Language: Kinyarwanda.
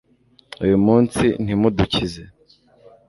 uyu munsi ntimudukize